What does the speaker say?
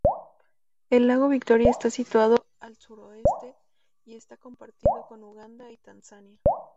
El lago Victoria está situado al suroeste y está compartido con Uganda y Tanzania.